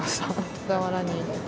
小田原に。